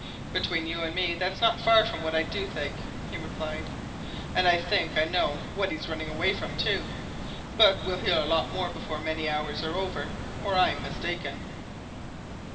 "Between you and me, that's not far from what I do think," he replied. "And I think I know what he's running away from, too! But we'll hear a lot more before many hours are over, or I'm mistaken."